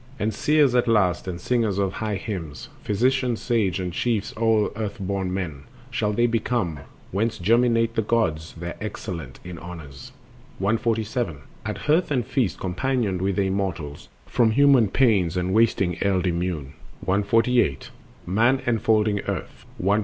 And seers at last, and singers of high hymns, Physicians sage, and chiefs o'er earth born men Shall they become, whence germinate the gods, The excellent in honors. 147. At hearth and feast companioned with the immortals, From human pains and wasting eld immune. Last Echoes of a Song Half Lost. 148. Man enfolding Earth. 149.